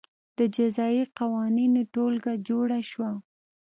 د جزايي قوانینو ټولګه جوړه شوه.